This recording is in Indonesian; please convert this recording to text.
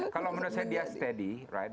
kalau menurut saya dia steady right